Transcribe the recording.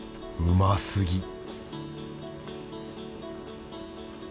うますぎ